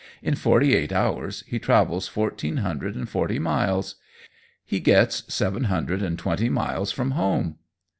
"In forty eight hours he travels fourteen hundred and forty miles! He gets seven hundred and twenty miles from home!"